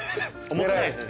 重くないですね